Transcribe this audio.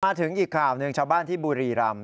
อีกข่าวหนึ่งชาวบ้านที่บุรีรำ